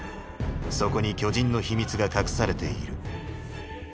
そこに巨人の秘密が隠されている。